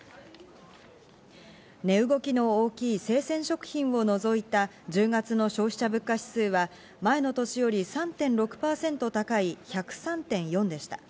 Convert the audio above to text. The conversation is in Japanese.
値動きの大きい生鮮食品を除いた１０月の消費者物価指数は、前の年より３．６％高い１０３．４でした。